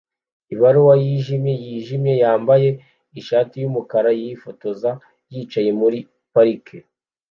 Ibaruwa yijimye yijimye yambaye ishati yumukara yifotoza yicaye muri parike